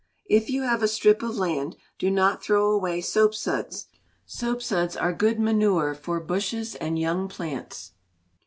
If you have a strip of land, do not throw away soapsuds. Soapsuds are good manure for bushes and young plants.